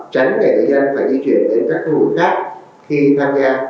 tránh người dân phải di chuyển đến các khu